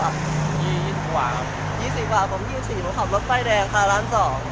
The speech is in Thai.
๒๔บาทแล้วแกขับรถไป้แดง๒๒ล้าน